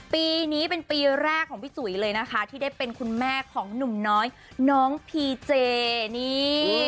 ปีนี้เป็นปีแรกของพี่จุ๋ยเลยนะคะที่ได้เป็นคุณแม่ของหนุ่มน้อยน้องพีเจนี่